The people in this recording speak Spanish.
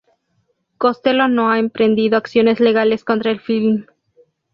Costello no ha emprendido acciones legales contra el film.